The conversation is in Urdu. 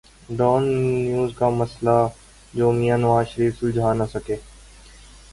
ڈان لیکس کا مسئلہ جو میاں نواز شریف سلجھا نہ سکے۔